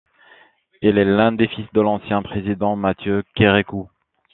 Il est l'un des fils de l’ancien Président Mathieu Kérékou.